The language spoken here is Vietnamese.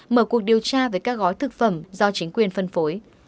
mở cuộc điều tra về các gói thực phẩm do chính quyền phân phối